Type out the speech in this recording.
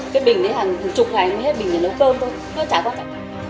cái bình đấy hàng chục ngày mới hết bình để nấu cơm thôi